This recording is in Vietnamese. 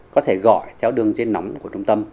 có thể gọi theo đường dây nóng của trung tâm